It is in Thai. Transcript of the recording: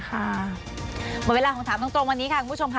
หมดเวลาของถามตรงวันนี้ค่ะคุณผู้ชมค่ะ